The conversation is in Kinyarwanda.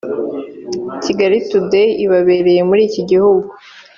Kigali Today ibabereye muri iki gihugu